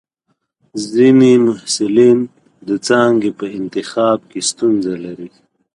ځینې محصلین د څانګې په انتخاب کې ستونزه لري.